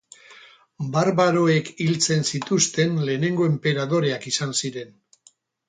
Barbaroek hiltzen zituzten lehenengo enperadoreak izan ziren.